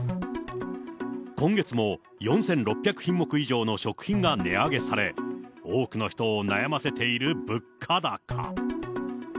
今月も、４６００品目以上の食品が値上げされ、多くの人を悩ませている物価高。